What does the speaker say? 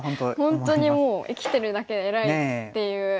本当にもう「生きてるだけでえらい」っていう。